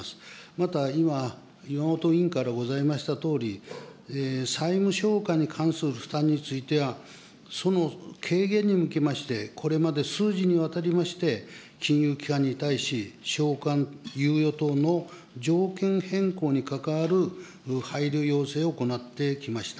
また今、岩本委員からございましたとおり、債務償還に関する負担については、その軽減に向けまして、これまで数次にわたりまして、金融機関に対し、償還猶予等の条件変更に関わる配慮要請を行ってきました。